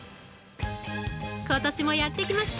今年もやってきました